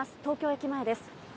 東京駅前です。